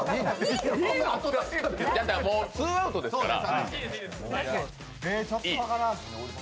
もうツーアウトですから。